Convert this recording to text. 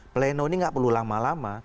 pleno ini gak perlu lama lama